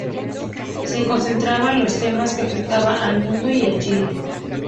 Se concentraba en los temas que afectaban al mundo y a Chile.